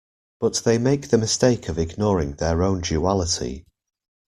But they make the mistake of ignoring their own duality.